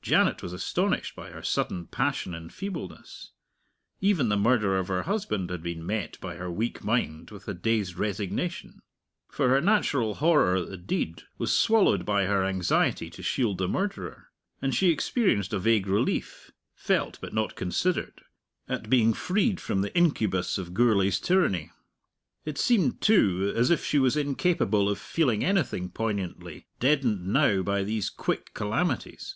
Janet was astonished by her sudden passion in feebleness. Even the murder of her husband had been met by her weak mind with a dazed resignation. For her natural horror at the deed was swallowed by her anxiety to shield the murderer; and she experienced a vague relief felt but not considered at being freed from the incubus of Gourlay's tyranny. It seemed, too, as if she was incapable of feeling anything poignantly, deadened now by these quick calamities.